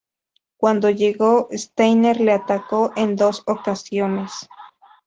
Cuando llegó, Steiner le atacó en dos ocasiones.